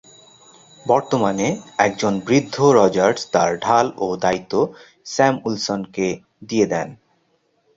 বর্তমানে, একজন বৃদ্ধ রজার্স তার ঢাল ও দ্বায়িত্ব স্যাম উইলসন কে দিয়ে দেন।